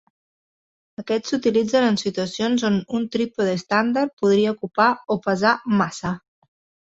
Aquests s’utilitzen en situacions on un trípode estàndard podria ocupar o pesar massa.